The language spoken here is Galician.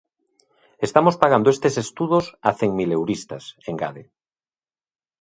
"Estamos pagando estes estudos a cenmileuristas", engade.